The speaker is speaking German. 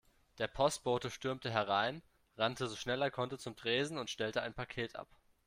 Der Postbote stürmte herein, rannte so schnell er konnte zum Tresen und stellte ein Paket ab.